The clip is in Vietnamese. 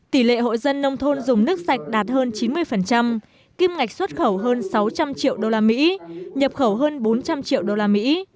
tỷ lệ hộ dân nông thôn dùng nước sạch đạt hơn chín mươi kim ngạch xuất khẩu hơn sáu trăm linh triệu đô la mỹ nhập khẩu hơn bốn trăm linh triệu đô la mỹ